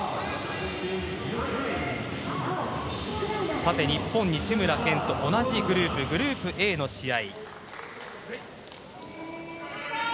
さて、日本の西村拳と同じグループグループＡの試合。